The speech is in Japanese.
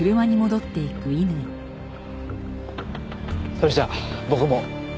それじゃ僕も。